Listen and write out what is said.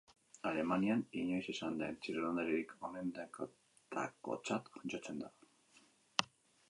Alemanian inoiz izan den txirrindularirik onenetakotzat jotzen da.